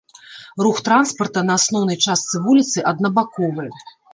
Рух транспарта на асноўнай частцы вуліцы аднабаковы.